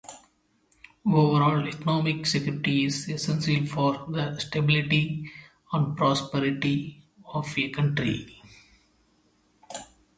Overall, economic security is essential for the stability and prosperity of a country.